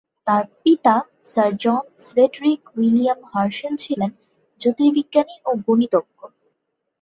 তার পিতা Sir John Frederick William Herschel ছিলেন জ্যোতির্বিজ্ঞানী ও গণিতজ্ঞ।